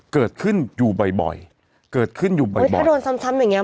เกิดขึ้นอยู่บ่อยบ่อยเกิดขึ้นอยู่บ่อยบ่อยก็โดนซ้ำซ้ำอย่างเงี